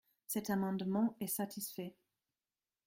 Cet amendement est satisfait.